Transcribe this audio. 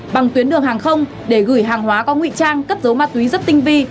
bằng tuyến đường hàng không để gửi hàng hóa có nguy trang cất giấu ma túy rất tinh vi